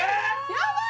・やばい！